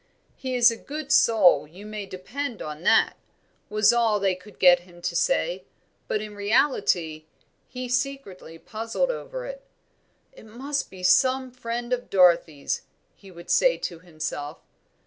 "He is a good soul, you may depend on that," was all they could get him to say; but in reality he secretly puzzled over it. "It must be some friend of Dorothy's," he would say to himself.